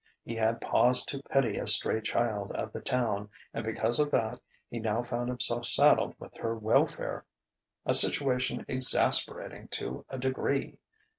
He had paused to pity a stray child of the town; and because of that, he now found himself saddled with her welfare. A situation exasperating to a degree!